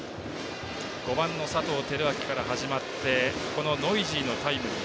５番の佐藤輝明から始まってノイジーのタイムリー。